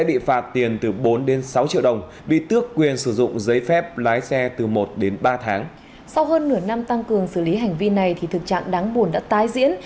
khi tăng cường xử lý hành vi này thì thực trạng đáng buồn đã tái diễn